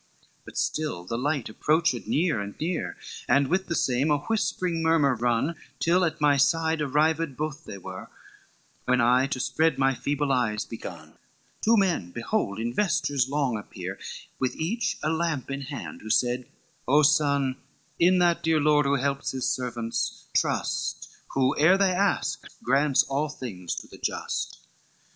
XXVII "But still the light approached near and near, And with the same a whispering murmur run, Till at my side arrived both they were, When I to spread my feeble eyes begun: Two men behold in vestures long appear, With each a lamp in hand, who said, 'O son In that dear Lord who helps his servants, trust, Who ere they ask, grants all things to the just.